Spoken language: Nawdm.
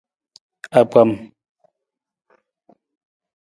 Akpam.